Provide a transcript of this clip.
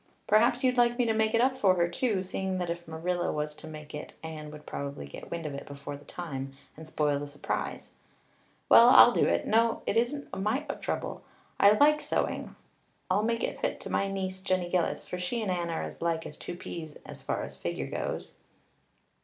Perhaps you'd like me to make it up for her, too, seeing that if Marilla was to make it Anne would probably get wind of it before the time and spoil the surprise? Well, I'll do it. No, it isn't a mite of trouble. I like sewing. I'll make it to fit my niece, Jenny Gillis, for she and Anne are as like as two peas as far as figure goes."